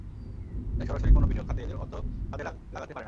তাই সরাসরি কোনো বিনিয়োগ খাতে এদের অর্থ কাজে লাগাতে পারে না।